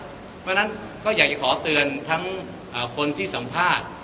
เพราะฉะนั้นก็อยากจะขอเตือนทั้งคนที่สัมภาษณ์